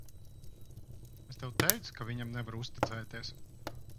Es tev teicu, ka viņam nevar uzticēties.